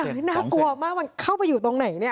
น่ากลัวมากมันเข้าไปอยู่ตรงไหนเนี่ย